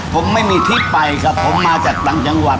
ผมไม่มีที่ไปครับผมมาจากต่างจังหวัด